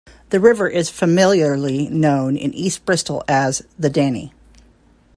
The river is familiarly known in east Bristol as the "Danny".